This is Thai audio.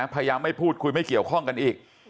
พยายามไม่พูดคุยไม่เกี่ยวข้องกันอีก